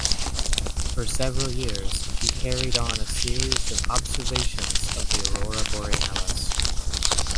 For several years, he carried on a series of observations of the aurora borealis.